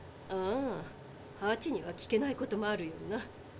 ああハチには聞けないこともあるよな。